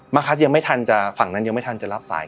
คัดยังไม่ทันจะฝั่งนั้นยังไม่ทันจะรับสาย